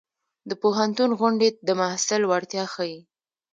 د پوهنتون غونډې د محصل وړتیا ښيي.